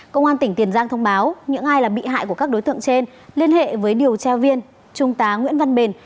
công an tỉnh tiền giang thông báo những ai là bị hại của các đối tượng trên liên hệ với điều tra viên trung tá nguyễn văn bền